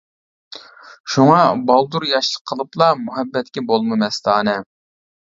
شۇڭا بالدۇر ياشلىق قىلىپلا، مۇھەببەتكە بولما مەستانە.